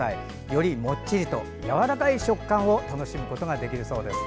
よりもっちりとやわらかい食感を楽しむことができるそうです。